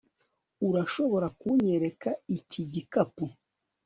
Urashobora kunyereka iki gikapu